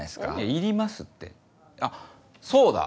いりますってあっそうだ！